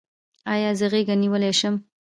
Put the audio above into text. ایا زه غیږه نیولی شم؟